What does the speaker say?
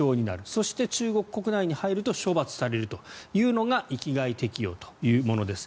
そして、中国国内に入ると処罰されるというのが域外適用というものです。